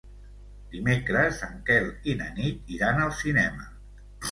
Dimecres en Quel i na Nit iran al cinema.